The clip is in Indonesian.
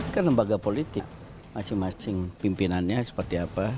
kan lembaga politik masing masing pimpinannya seperti apa